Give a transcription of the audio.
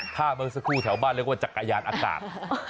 ถ้าเมื่อสักครู่แถวบ้านเรียกว่าจักรยานอากาศ